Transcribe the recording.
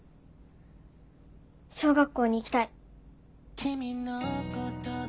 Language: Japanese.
小学校に行きたい。